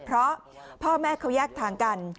เพราะพ่อแม่เขาแยกทางกัน